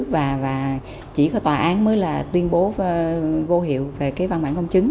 và chỉ có tòa án mới là tuyên bố vô hiệu về cái văn bản công chứng